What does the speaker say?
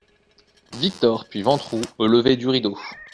Victor puis Ventroux Au lever du rideau.